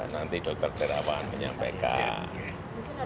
nanti dr terawa akan menyampaikan